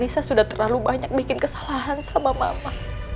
nisa sudah terlalu banyak bikin kesalahan sama mama